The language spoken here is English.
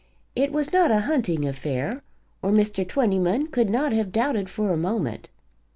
It was not a hunting affair, or Mr. Twentyman could not have doubted for a moment.